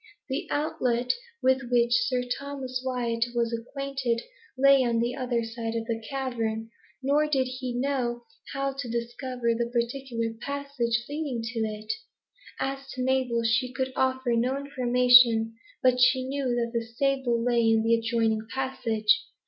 The outlet with which Sir Thomas Wyat was acquainted lay on the other side of the cavern; nor did he know how to discover the particular passage leading to it. As to Mabel, she could offer no information, but she knew that the stable lay in an adjoining passage.